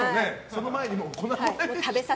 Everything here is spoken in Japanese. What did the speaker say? その前に粉々に。